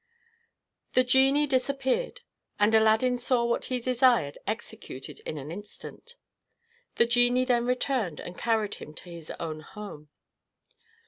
The genie disappeared, and Aladdin saw what he desired executed in an instant. The genie then returned and carried him to his own home.